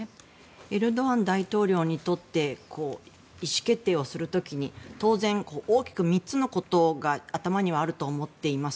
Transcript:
エルドアン大統領にとって意思決定をする時に当然大きく３つのことが頭にはあると思っています。